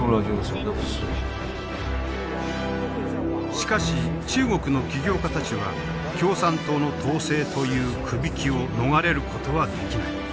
しかし中国の起業家たちは共産党の統制というくびきを逃れることはできない。